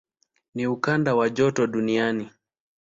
Ni ukanda wa joto duniani.